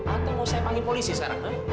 atau mau saya panggil polisi sekarang kan